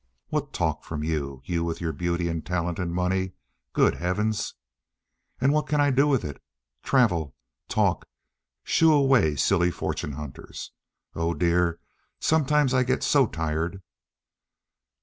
"What talk from you—you, with your beauty and talent, and money—good heavens!" "And what can I do with it? Travel, talk, shoo away silly fortune hunters. Oh, dear, sometimes I get so tired!"